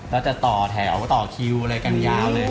จะต่อแถวต่อคิวอะไรกันยาวเลย